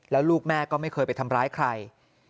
แล้วลูกแม่ก็ไม่เคยไปทำร้ายใคร